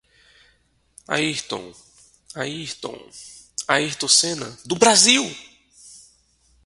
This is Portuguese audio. Ayrton, Ayrton... Ayrton Senna, do Brasil!!!